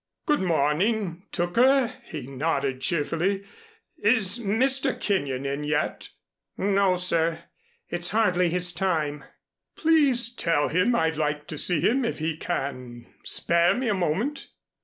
"Good morning, Tooker," he nodded cheerfully. "Is Mr. Kenyon in yet?" "No, sir. It's hardly his time " "Please tell him I'd like to see him if he can spare me a moment."